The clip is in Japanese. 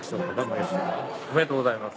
ありがとうございます。